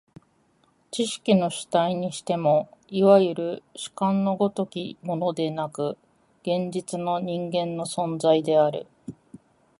知識の主体にしても、いわゆる主観の如きものでなく、現実の人間の存在である。